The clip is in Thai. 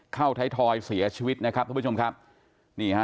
ไทยทอยเสียชีวิตนะครับทุกผู้ชมครับนี่ฮะ